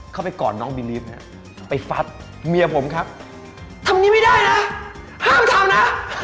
กอดน้องบีรีฟนะไปฟัดเมียผมครับทำนี้ไม่ได้นะห้ามทำนะ